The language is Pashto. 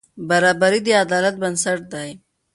برابري د عدالت بنسټ دی.